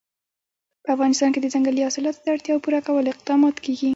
په افغانستان کې د ځنګلي حاصلاتو د اړتیاوو پوره کولو اقدامات کېږي.